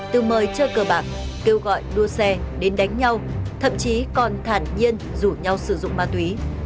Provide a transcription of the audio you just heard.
từ mời chơi cờ bạc kêu gọi đua xe đến đánh nhau thậm chí còn thản nhiên rủ nhau sử dụng ma túy